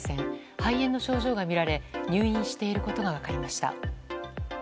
肺炎の症状がみられ入院していることが分かりました。